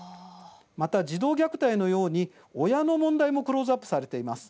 また、児童虐待のように親の問題もクローズアップされています。